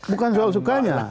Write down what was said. bukan soal sukanya